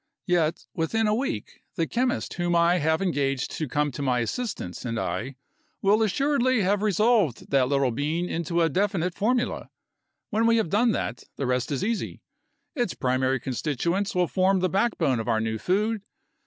Yet within a week, the chemist whom I have engaged to come to my assistance and I will assuredly have resolved that little bean into a definite formula. When we have done that, the rest is easy. Its primary constituents will form the backbone of our new food.